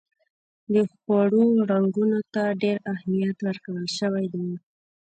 د خوړو رنګونو ته ډېر اهمیت ورکول شوی و.